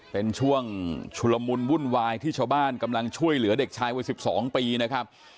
เป็นช่วงชุลมุนวุ่นวายที่ชาวบ้านกำลังช่วยเหลือเด็กชายวัย๑๒ปีนะครับ